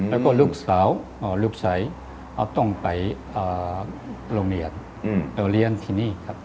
แล้วก็ลูกสาวลูกใสต้องไปโรงเรียนที่นี้ครับ